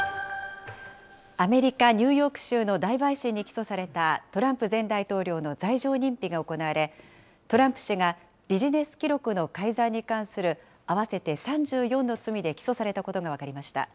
アメリカ・ニューヨーク州の大陪審に起訴されたトランプ前大統領の罪状認否が行われ、トランプ氏がビジネス記録の改ざんに関する合わせて３４の罪で起訴されたことが分かりました。